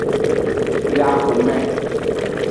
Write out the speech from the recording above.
Le axome.